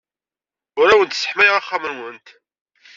Ur awent-sseḥmayeɣ axxam-nwent.